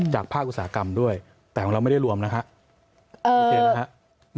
จากภาคอุตสาหกรรมด้วยแต่ของเราไม่ได้รวมนะครับ